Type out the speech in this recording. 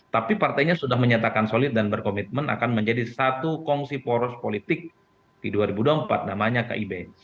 tapi partainya sudah menyatakan solid dan berkomitmen akan menjadi satu kongsi poros politik di dua ribu dua puluh empat namanya kib